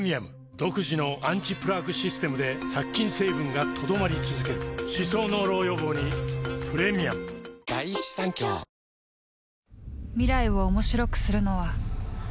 独自のアンチプラークシステムで殺菌成分が留まり続ける歯槽膿漏予防にプレミアム知らぬ仲ではない。